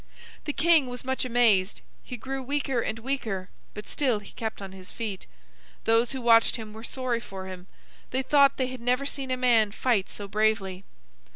The king was much amazed. He grew weaker and weaker, but still he kept on his feet. Those who watched him were sorry for him; they thought they had never seen a man fight so bravely.